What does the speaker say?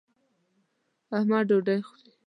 احمد ډوډۍ خوري.